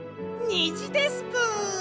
にじですぷ。